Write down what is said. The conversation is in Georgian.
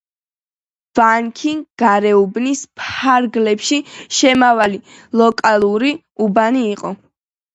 ვანქი გარეუბნის ფარგლებში შემავალი ლოკალური უბანი იყო.